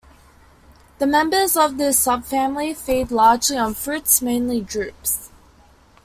The members of this subfamily feed largely on fruits, mainly drupes.